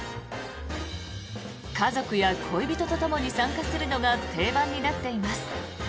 家族や恋人とともに参加するのが定番になっています。